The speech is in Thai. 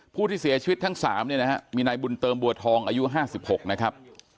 ผู้ที่เสียชีวิตทั้ง๓เนี่ยนะฮะมีนายบุญเติมบัวทองอายุ๕๖นะครับ